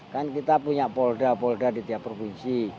kan kita punya polda polda di tiap provinsi